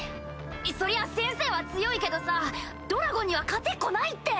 そりゃ先生は強いけどさドラゴンには勝てっこないって！